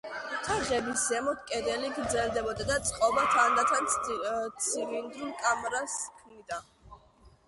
თაღებს ზემოთ კედელი გრძელდებოდა და წყობა თანდათან ცილინდრულ კამარას ქმნიდა.